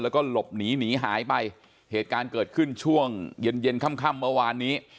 แล้วก็หลบหนีหนีหายไปเหตุการณ์เกิดขึ้นช่วงเย็นเย็นค่ำค่ำเมื่อวานนี้